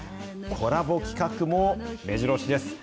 コラボ企画もめじろ押しです。